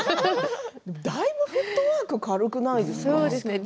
だいぶフットワーク軽くないですか？